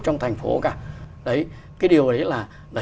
trong thành phố cả đấy cái điều đấy là